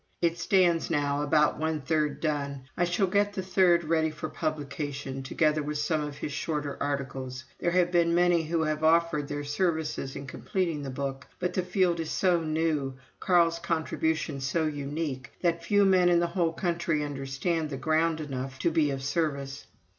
It stands now about one third done. I shall get that third ready for publication, together with some of his shorter articles. There have been many who have offered their services in completing the Book, but the field is so new, Carl's contribution so unique, that few men in the whole country understand the ground enough to be of service.